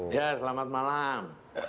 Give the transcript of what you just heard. ya selamat malam